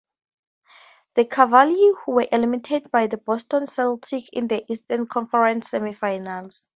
The Cavaliers were eliminated by the Boston Celtics in the Eastern Conference semifinals.